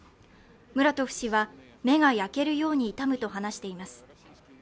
ムラトフ氏は、目が焼けるように痛むと話しています。